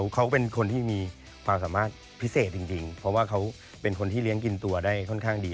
เขาเป็นคนที่มีความสามารถพิเศษจริงเพราะว่าเขาเป็นคนที่เลี้ยงกินตัวได้ค่อนข้างดี